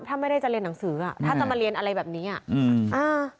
ถ้าไม่ได้จะเรียนหนังสืออ่ะถ้าจะมาเรียนอะไรแบบนี้อ่ะอืมอ่า